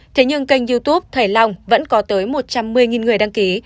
thế nhưng kênh youtube thầy long vẫn có tới một trăm một mươi người đăng ký